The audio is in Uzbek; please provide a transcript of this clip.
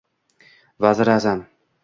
Vaziri a’zam